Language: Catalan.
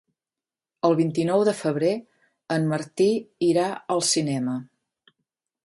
El vint-i-nou de febrer en Martí irà al cinema.